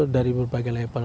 dari berbagai level